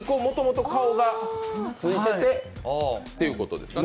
２個、もともと顔がついてってことですかね。